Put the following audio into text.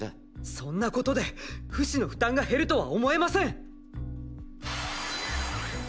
そんなことでフシの負担が減るとは思えません！